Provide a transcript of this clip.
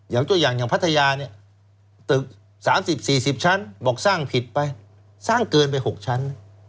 ตัวอย่างอย่างพัทยาเนี่ยตึก๓๐๔๐ชั้นบอกสร้างผิดไปสร้างเกินไป๖ชั้น